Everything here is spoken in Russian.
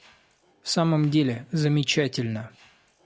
В самом деле, замечательно.